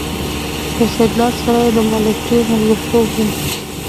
له سیدلال سره یې د ملکۍ ملګرتوب و.